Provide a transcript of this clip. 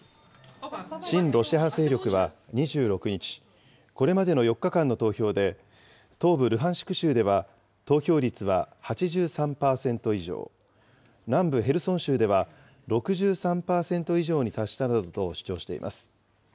親ロシア派勢力は２６日、これまでの４日間の投票で、東部ルハンシク州では投票率は８３％以上、南部ヘルソン州では６３％以上に達したなどと主張しています。